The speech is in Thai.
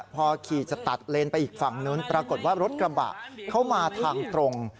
พอขี่จะตัดเลนไปอีกฝั่งนู้นปรากฏว่ารถกระบะเข้ามาทางตรง